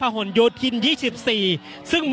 อย่างที่บอกไปว่าเรายังยึดในเรื่องของข้อ